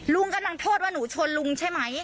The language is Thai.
ลุงกำลังโทษว่าหนูชนลุงใช่ไหม